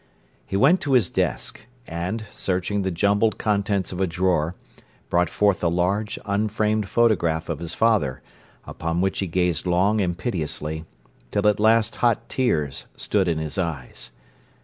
He went to his desk, and, searching the jumbled contents of a drawer, brought forth a large, unframed photograph of his father, upon which he gazed long and piteously, till at last hot tears stood in his eyes.